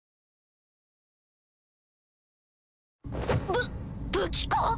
ぶ武器庫⁉